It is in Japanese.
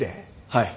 はい。